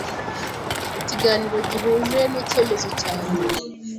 Ikiganiro gihuje n’i cyemezo cyanjye